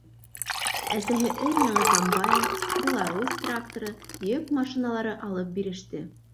Әсәһе өр-яңы комбайн, «Беларусь» тракторы, йөк машиналары алып биреште.